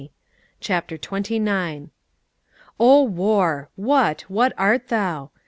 CHAPTER TWENTY NINTH. "O war! what, what art thou?